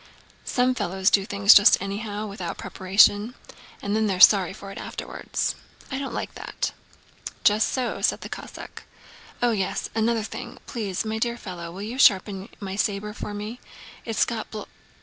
"Some fellows do things just anyhow, without preparation, and then they're sorry for it afterwards. I don't like that." "Just so," said the Cossack. "Oh yes, another thing! Please, my dear fellow, will you sharpen my saber for me? It's got bl..."